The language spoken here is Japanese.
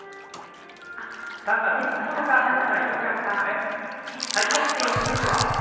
３月９日が国際女性デーですね。